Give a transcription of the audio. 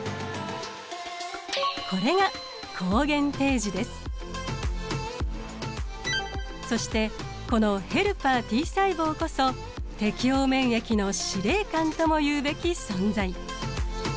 これがそしてこのヘルパーＴ細胞こそ適応免疫の司令官とも言うべき存在。